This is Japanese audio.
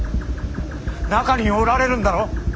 中におられるんだろ。